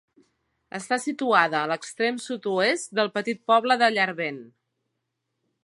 Està situada a l'extrem sud-oest del petit poble de Llarvén.